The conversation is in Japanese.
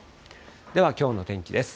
では、きょうの天気です。